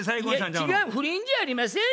違う不倫じゃありません。